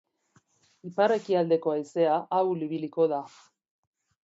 Ipar-ekialdeko haizea ahul ibiliko da.